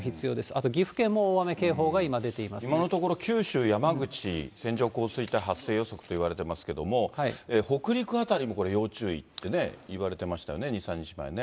あと岐阜県も大雨警報が今、出て今のところ、九州、山口、線状降水帯発生予測といわれてますけども、北陸辺りもこれ、要注意っていわれてましたよね、２、３日前ね。